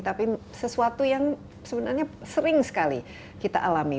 tapi sesuatu yang sebenarnya sering sekali kita alami